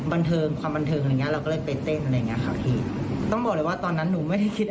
หนูก็ต้องขอโทษด้วยนะคะที่ทำไปแล้วอาจจะไม่ได้คิด